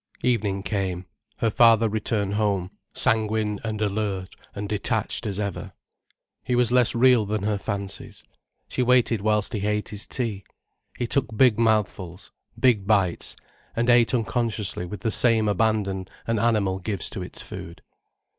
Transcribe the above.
Evening came, her father returned home, sanguine and alert and detached as ever. He was less real than her fancies. She waited whilst he ate his tea. He took big mouthfuls, big bites, and ate unconsciously with the same abandon an animal gives to its food.